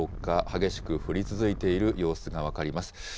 激しく降り続いている様子が分かります。